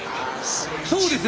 そうです